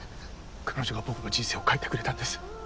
彼女が僕の人生を変えてくれたんです。